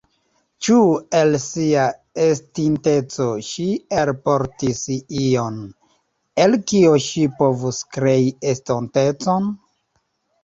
Ĉu el sia estinteco ŝi elportis ion, el kio ŝi povus krei estontecon?